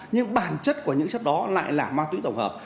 nhưng bản chất của những chất đó lại là ma túy tổng hợp